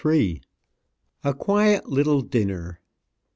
A QUIET LITTLE DINNER.